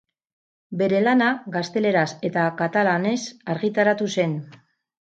Bere lana gazteleraz eta katalanez argitaratu zen.